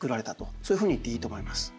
そういうふうに言っていいと思います。